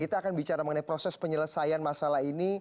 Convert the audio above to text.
kita akan bicara mengenai proses penyelesaian masalah ini